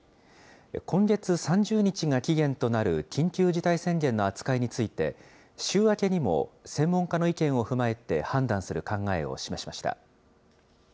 今月３０日が期限となる緊急事態宣言の扱いについて、週明けにも専門家の意見を踏まえて判断する考えを示しました。